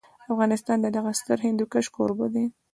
افغانستان د دغه ستر هندوکش کوربه دی.